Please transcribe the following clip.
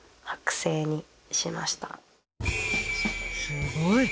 すごい！